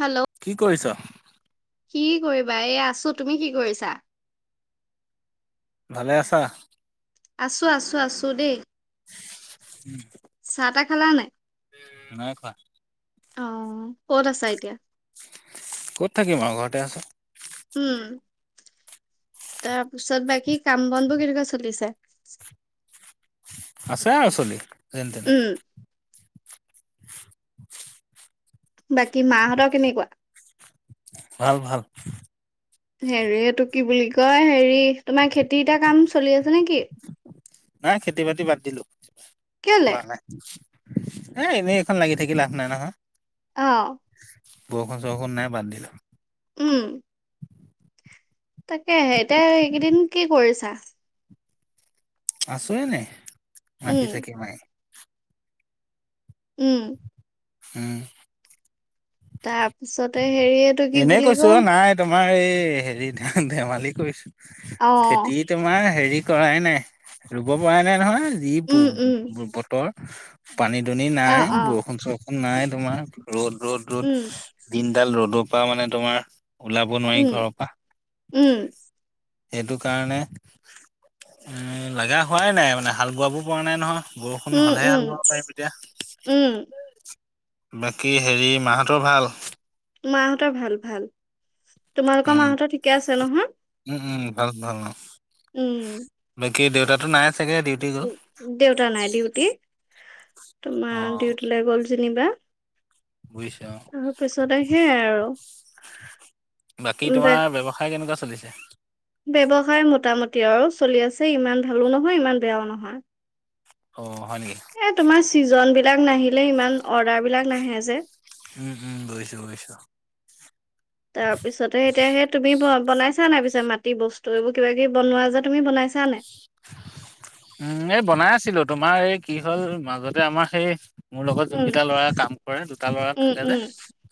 Hello কি কৰিছ? কি কৰিবা এই আছো তুমি কি কৰিছা? ভালে আছা। আছো আছো আছো দেই। উম। খেলা নাই। নাই খোৱা। অ ক'ত আছা এতিয়া কত থাকিম আৰু ঘৰতে আছো। উম। তাৰ পিছত বাকী কাম বন বোৰ কেনেকুৱা চলিছে। আছে আৰু চলি উম [unintelligible] বাকী মাহঁতৰ কেনেকুৱা? ভাল ভাল। হেৰি এইটো কি বুলি কয় হেৰি তোমাৰ খেতিতটা কাম চলি আছে নেকি। নাই খেতি বাতি বাদ দিলো কেলে কোৱা নাই। এ এনেই এখন লাগি থাকি লাভ নাই নহয়। অ বৰষুণ চৰষুণ নাই বাদ দিলোঁ। উম তাকেহে এতিয়া এইকেইদিন কি কৰিছা? আছো এনে মাখি উম চাখি মায়ি। উম হম তাৰপিছত এনে কৈছো নাই তোমাৰ এই হেৰি ধ ধেমালি কৰিছো, অ খেতি তোমাৰ হেৰি কৰাই নাই ৰুব পৰা নাই নহয় যি উম উম বতৰ পানী দুনি অ নাই, অ বৰষুণ-চৰষুণ নাই, তোমাৰ ৰ'দ-ৰ'দ-ৰ'দ উম দিনডাল ৰ'দক পৰা মানে তোমাৰ ওলাব নোৱাৰি উম ঘৰৰ পৰা। উম সেইটো কাৰণে লগা হোৱাই নাই মানে হাল বোৱাব পৰা নাই নহয়। বৰষুণ উম, হলেহে উম, হাল বাব পাৰিম এতিয়া। উম, বাকী হেৰি মাহঁতৰ ভাল? মাহঁতৰ ভাল-ভাল। তোমালোকৰ মাহঁতৰ ঠিকে আছে নহয় অঁ [unintelligible] উম। কি দেউতাটো নাই চাগে ডিউটি গ'ল উম দেউতা নাই ডিউটি, অ তোমাৰ ডিউটিলৈ গ'ল যেনিবা বুজিছো অ তাৰপিছতে সেইয়াই আৰু বাকী উম, তোমাৰ বে- ব্যৱসায় কেনেকুৱা চলিছে? ব্যৱসায় মোটামুটি আৰু চলি আছে ইমান ভালো নহয় ইমান বেয়াও নহয়। অ হয় নেকি এ তোমাৰ ছিজনবিলাক নাহিলে ইমান অৰ্ডাৰবিলাক নাহে যে। উম উম বুজিছো বুজিছো তাৰপিছতে এতিয়াহে তুমি বনাইছা নাই পিছে মাটি বস্তু এইবোৰ কিবাকিবি বনোৱা যে তুমি বনাইছা নাই? উম এই বনাই আছিলো তোমাৰ এই কি হ'ল মাজতে আমাক সেই মোৰ লগত উম, যোনকেইটা ল'ৰাই কাম কৰে দুটা ল'ৰা উম, থাকে যে, উম,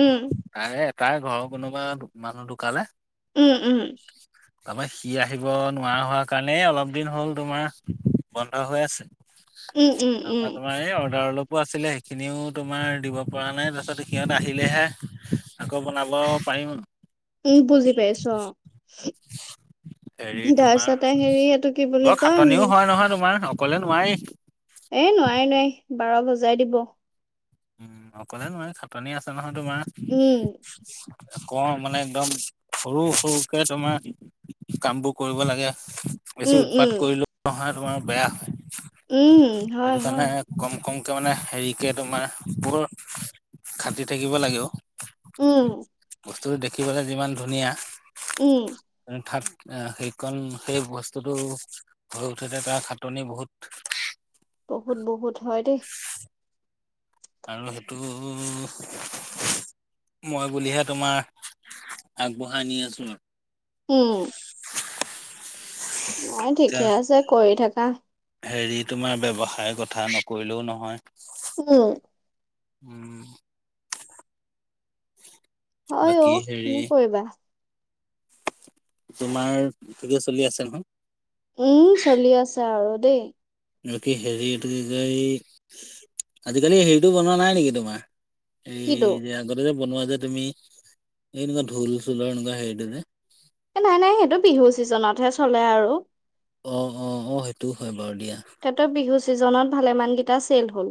উম, তাৰে তাই ঘৰৰ কোনোবা মানুহ ধোকালে উম-উম। তাৰপা সি আহিব নোৱাৰা হোৱাৰ কাৰণেই অলপ দিন হ'ল তোমাৰ বন্ধ হৈ আছে। উম, উম, উম, আমাৰ তোমাৰ এই অৰ্ডাৰ অলপ কাপোৰ আছিলে সেইখিনিও তোমাৰ দিব পৰা নাই, তাৰপিছত সিহঁত আহিলেহে আকৌ বনাব পাৰিম উম বুজি পাইছো অঁ। হেৰি তোমাৰ তাৰপিছতে হেৰি এইটো কি বুলি বৰ কয় খাটনিও উম হয় নহয় তোমাৰ অকলে নোৱাৰি। এ নোৱাৰি-নোৱাৰি বাৰ বজাই দিব। উম অকলে নোৱায়ি খাটনি আছে নহয় তোমাৰ উম কওঁ মানে একদম সৰু-সৰুকে তোমাৰ কামবোৰ কৰিব লাগে। বেছি উম উৎপাত উম কৰিলো নহয় তোমাৰ বেয়া হয়। উম। হয় সেইটো হয় কাৰনে কম কমকে মানে হেৰিকে তোমাৰ বৰ খাটি থাকিব লাগে অ। উম বস্তুটো দেখিবলৈ যিমান ধুনীয়া উম হঠাৎ সেইকণ সেই বস্তুটো হৈ উঠোতে তাৰ খাটনি বহুত। বহুত বহুত হয় দেই। আৰু সেইটো মই বুলিহে তোমাৰ আগবঢ়াই নি আছো উম নাই এতিয়া ঠিকে আছে কৰি থাকা হেৰি তোমাৰ ব্যৱসায়ৰ কথা নকৰিলেও নহয় উম উম হো হয় অও কৰিবা তোমাৰ ঠিকে চলি আছে নহয় উম চলি আছা আৰু দেই বাকী হেৰিটো কি আজিকালি হেৰিটো বনোৱা নাই নেকি তোমাৰ এই কিটো যে আগতে যে বনোৱা যে তুমি এনেকুৱা ঢোল চোলৰ এনেকুৱা হেৰিটো যে নাই নাই সেইটো বিহু চিজনতহে চলে আৰু অ অ অ সেইটোও হয় বাৰু দিয়া তেহঁৰ বিহু ছিজনত ভালেমানকেইটা চেল হল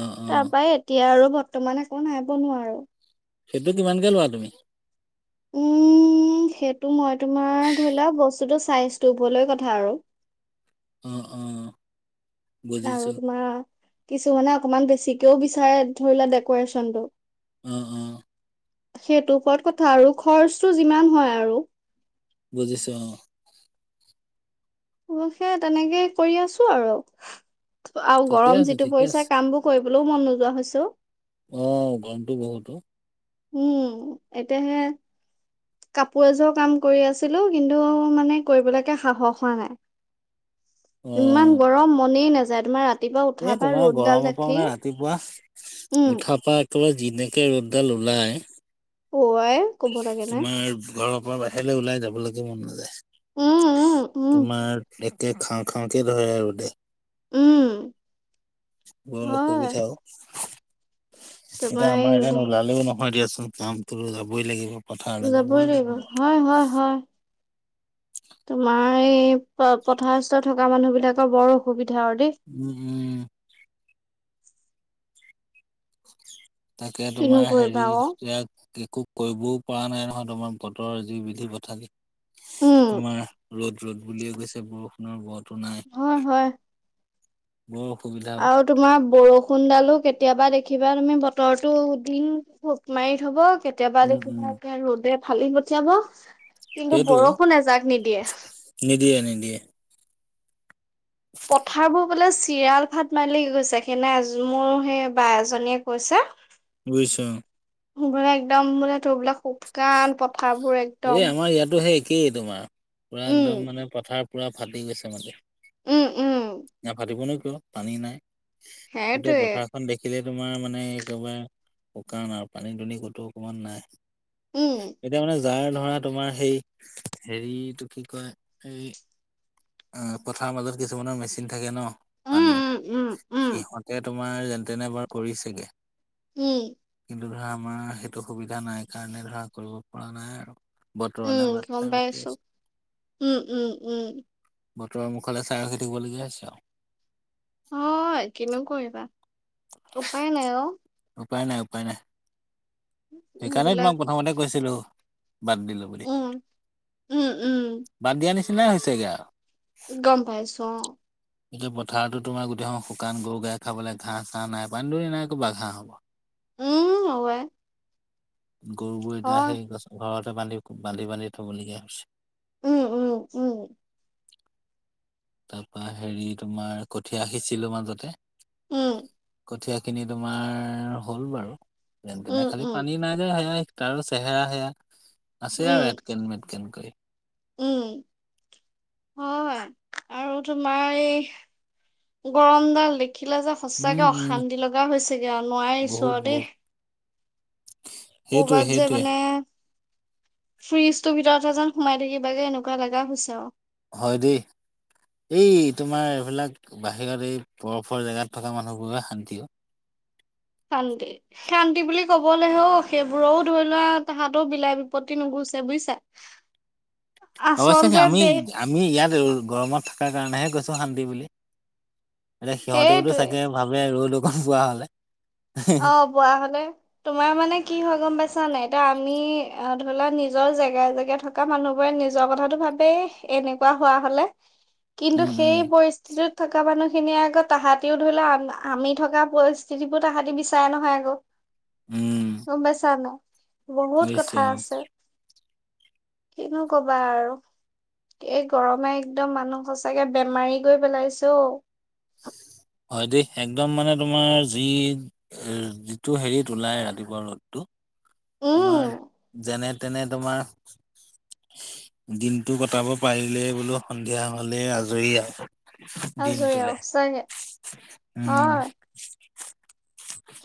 অ অ পৰাই এতিয়া আৰু বৰ্তমান একো নাই বনোৱা আৰু সেইটো কিমানকে লোৱা তুমি উম সেইটো মই তোমাৰ ধৰি লোৱা বস্তুতটো চাইজটো লৈ কথা আৰু উম উম আৰু তোমাৰ কিছু মানে অকমান বেছিকেও বিচাৰে ধৰি লোৱা ডেক'ৰেচন টো উও উও সেইটো ওপৰত কথা আৰু খৰচটো যিমান হয় আৰু বুজিছো অ অৱশ্যে তেনেকে কৰি আছোঁ আৰু আৰু ঠিকে গৰম আছে যিটো ঠিকে পৰিছে আছে কামবোৰ কৰিবলৈও মন নোযোৱা হৈছে অ গৰমটো বহুতো উম! এতিয়াহে কাপোৰ এজোৰ কাম কৰি আছিলো কিন্তু মানে কৰিবলৈকে সাহস হোৱা নাই [inaudible] ইমান গৰম মনেই নাযায় তোমাৰ ৰা এ তোমাৰ গৰমৰ পৰা মানে ৰাতিপুৱা উম, উঠা পা তো যেনেকে ৰ'দডাল ওলাই পোৱাই ক'ব লাগে নে পোৱা বাহিৰলৈ ওলাই যাবলৈগে মন উম, নাযায় উম, উম, তোমাৰ কে খাওঁ খাওঁ কে ধৰে আৰু ৰদে উম! বৰ হয় অসুবিধাও এতিয়া তোমাৰ এই আমাৰ ৰদ গ- নোলালেও নহয় দিয়াচোন কামটো যাবই লাগিব। যাবই লাগিব হয় হয় হয় তোমাৰ এই প পথাৰস্থ থকা মানুহ বিলাকৰ বৰ অসুবিধা আৰু দেই উম তাকে কিনো তোমাৰ কৰিবা হেৰি আকৌ ইয়াত একো কৰিবও পৰা নাই নহয় তোমাৰ বতৰৰ যি বিধি পথালি উম, তোমাৰ ৰ'দ ৰ'দ বুলিয়ে গৈছে বৰষুণৰ বত হয় হয় বৰ অসুবিধা অ। আৰু তোমাৰ বৰষুণডালো কেতিয়াবা দেখি দেখিবা তুমি বতৰটো দিন ভোক মাৰি থব কেতিয়াবা উম উম। দেখিবা ৰ'দে ফালি পঠিয়াব কিন্তু সেইটোৱে অ বৰষুণ এজাক নিদিয়ে, দিয়ে। পথাৰবোৰ বোলে চিৰাল ভাট মাৰিলে, কি গৈছে সেইদিনা মোৰ সেই বা এজনীয়ে কৈছে বুজিছো অ'। মানে একদম বোলে তোৰ বোলে শুকান পথাৰবোৰ একদম। কি তোমাৰ! পুৰা উম একদম মানে, পথাৰ পুৰা ফাটি গৈছে মানে! উম উম নাফাটিবনো কিয়? পানী নাই। গোটেই সেইটোৱে পথাৰখন দেখিলে তোমাৰ মানে একেবাৰে শুকান আৰু! পানী-দুনি ক'তো অকমান নাই। উম এতিয়া মানে যাৰ ধৰা, তোমাৰ সেই, হেৰিটো কি কয়? এই অ' পথাৰৰ মাজত কিছুমানৰ মেচিন থাকে ন? পানীৰ, উম উম উম উম সিহঁতে তোমাৰ যেনে-তেনে বাৰু কৰিছেগে। কি? কিন্তু ধৰা আমাৰ, সেইটো সুবিধা নাই কাৰণে ধৰা কৰিব পৰা নাই আৰু! বতৰলে উম বাট গম চাই পাই ৰখি আছো। উম উম উম। বতৰৰ মুখলৈ চাই ৰখি থাকিবলগীয়া হৈছে আৰু! হয়, কিনো কৰিবা! উপায় নাই অ! উপায় নাই, উপায় নাই। সেইকাৰণে সেইবিলাক তোমাক প্ৰথমতে কৈছিলো। বাদ দিলো বুলি। উম উম উম বাদ দিয়া নিচিনাই হৈছেগে আৰু! গম পাইছো অ'। এতিয়া পথাৰতো তোমাৰ গোটেইখন শুকান, গৰু-গায়ে খাবলৈ ঘাঁহ-চাঁহ নাই, পানী-দুনি নাই কৰপা ঘাঁহ হ'ব? উম, [unintelligible] গৰুবোৰ এতিয়া হয় সেই গছ-ঘৰতে বান্ধি, বান্ধি বান্ধি থ'বলগীয়া হৈছে। উম, উম, উম। তাৰপা হেৰি তোমাৰ, কঠীয়া সিছিলো মাজতে। উম। কঠীয়াখিনি তোমাৰ হ'ল বাৰু! যেন-তেনে, উম খালি উম পানী নাই যে সেইয়াই তাৰো চেহেৰা সেয়া, আছে উম আৰু এটকেন-মেটকেন কৰি। [inaudible] উম হয়। আৰু তোমাৰ এই গৰমডাল দেখিলে যে উম সঁচাকে উম অশান্তি লগা হৈছেগৈ আৰু। নোৱাৰিছো বহুত আৰু দেই। বহুত সেইটোৱে ক'ৰবাত যে সেইটোৱে মানে ফ্ৰিজটোৰ ভিতৰতহে যেন সোমাই থাকিবাগে, এনেকুৱা লগা হৈছে আৰু! হয় দেই! এই তোমাৰ, এইবিলাক বাহিৰত এই বৰফৰ জেগাত থকা মানুহবোৰৰহে শান্তি অ'। শান্তি, শান্তি বুলি ক'বলেহে অ'। সেইবোৰৰো ধৰি লোৱা, তাহাঁতৰো বিলাই-বিপত্তি নুগু চে বুইছা! [inaudible] অৱশ্যে, আমি-আমি ইয়াত গৰমত থকাৰ কাৰণেহে কৈছো শান্তি বুলি! এতিয়া সিহঁতেওতো সেইটোৱে চাগে ভাবে! ৰ'দ অকণ পোৱা হ'লে! অ' পোৱা হ'লে, তোমাৰ মানে কি হয় গম পাইছা নাই? এতিয়া আমি ধৰিলা নিজৰ জেগাই জেগাই থকা মানুহবোৰে নিজৰ কথাটো ভাবেই, এনেকুৱা হোৱা হ'লে? কিন্তু উম সেই উম পৰিস্থিতিত থকা মানুহখিনিয়ে আকৌ, তাহাঁতিও ধৰি লোৱা, আমি থকা পৰিস্থিতি বোৰ তাহাঁতি চাৰে নহয় আকৌ! উম গম পাইছা নাই? বহুত বুজিছো কথা অ আছে! কিনো ক'বা আৰু এই গৰমে একদম মানুহ সঁচাকে বেমাৰী কৰি পেলাইছে অ'। হয় দেই। একদম মানে তোমাৰ যি-যিটো হেৰিত ওলাই ৰাতিপুৱা ৰ'দটো। তোমাৰ, উম যেনে-তেনে তোমাৰ দিনটো কটাব পাৰিলেই বোলো, সন্ধিয়া হ'লে আজৰি আৰু! আজৰি আৰু দিনটোলে, সঁচাকে উম। হয়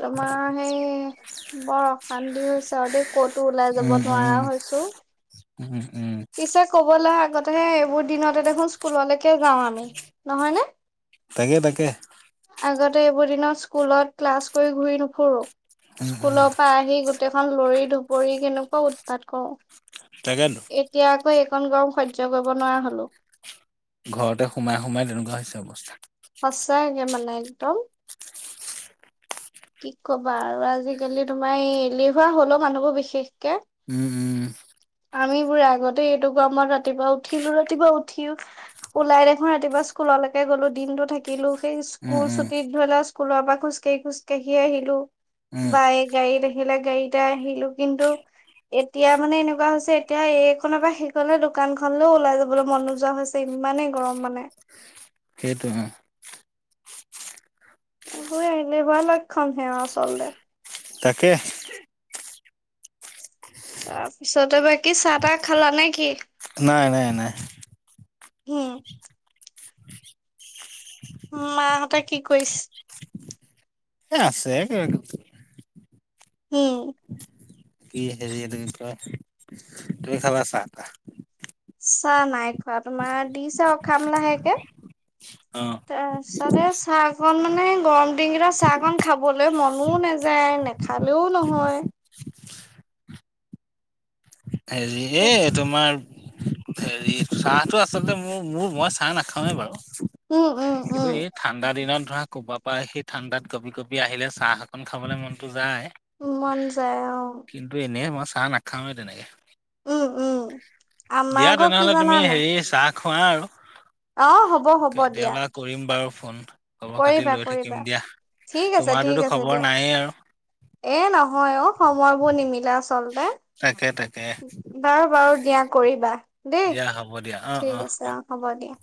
তোমাৰ সেই বৰ অশান্তি হৈছে। তাতে কতো ওলাই যাব উম, নোৱাৰা উম, হৈছো। উম, উম, পিছে ক'বলৈ আগতেহে এইবোৰ দিনতে দেখোন স্কুললৈকে যাওঁ আমি নহয় নে? তাকে তাকে। আগতে ত এইবোৰ দিনত স্কুলত ক্লাছ কৰি ঘূৰি নুফুৰো। স্কুলৰ পৰা আহি গোটেইখন লৰি ধুপৰি কেনেকুৱা উৎপাত কৰোঁ। তাকেতো। এতিয়া আকৌ এইকণ গৰম সহ্য কৰিব নোৱাৰা হলোঁ। ঘৰতে সোমাই সোমাই তেনেকুৱা হৈছে অৱস্থা। সচাকে মানে একদম কি কবা আৰু আজিকালি তোমাৰ এইলেহুৱা হলও মানুহবোৰ বিশেষকে। উম উম আমি বোৰে আগতে এইটো গমত ৰাতিপুৱা উঠিলো ৰাতিপুৱা উঠিও ওলাই দেখো ৰাতিপুৱা স্কুলত সেনেকে গলো দিনটো থাকিলো সেই উম, স্কুল উম, ছুটিত ধৰি লও স্কুলৰ পৰা খোজ কাঢ়ি খোজ কাঢ়ি আহিলো উম, বাই গাড়ীত আহিলে গাড়ীতে আহিলো কিন্তু এতিয়া মানে এনেকুৱা হৈছে এতিয়া এইখনৰ পৰা সেইখনলে দোকানখনলৈও ওলাই যাবলৈ মন নোযোৱা হৈছে ইমান ইমানেই গৰম মানে সেইটোৱে অ এইবোৰ এলেহুৱা লক্ষণ হে আচলতে তাকে তাৰপিছতে বাকী চাহ তাহ খালা নে কি নাই নাই নাই হম মা হঁতে কি কৰিছে আছে উম কি হেৰি এনে কি কোৱা তুমি খালা চাহ টা চাহ নাই খোৱা তোমাৰ দিছে খাম লাহেকে অ চবৰ চাহকন মানে গৰম দিনকেইটা চাহ কন খাবলৈ মনও নাযায় নেখালেও নহয় হেৰি এই তোমাৰ হেৰি চাহটো আচলতে মোৰ মোৰ মই চাহ নাখাওৱে বাৰু উম উম কিন্তু উম এই ঠাণ্ডা দিনত ধৰা কবাত আহি ঠাণ্ডাত কঁপি কঁপি আহিলে চাহ অকন খাবলৈ মনতো যায় মন যায় অ কিন্তু এনেই মই চাহ নাখাওঁৱে তেনেকে উম উম দিয়া আমাৰ ঘৰ কি তেনেহলে জানা তুমি নাই হেৰি চাহ খোৱা আৰু অ হ'ব হ'ব দিয়া কেতিয়াবা কৰিম বাৰু ফোন। খবৰ খাতি কৰিবা লৈ থাকিম কৰিবা দিয়া ঠিক আছে ঠিক তোমাৰতোতো আছে খবৰ দিয়া নায়েই আৰু এ নহয় অ সময়বোৰ নিমিলে আচলতে তাকে তাকে বাৰু বাৰু দিয়া কৰিবা দেই দিয়া হ'ব দিয়া অ', ঠিক আছে অ হ'ব দিয়া